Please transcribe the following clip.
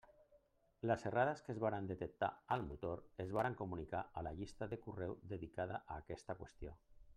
Les errades que es varen detectar al motor es varen comunicar a la llista de correu dedicada a aquesta qüestió.